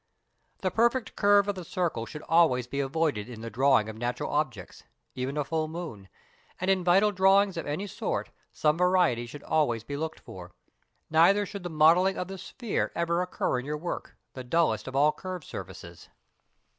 The perfect curve of the circle should always be avoided in the drawing of natural objects (even a full moon), and in vital drawings of any sort some variety should always be looked for. Neither should the modelling of the sphere ever occur in your work, the dullest of all curved surfaces.